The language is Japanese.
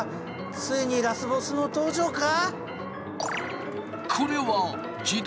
ついにラスボスの登場か！？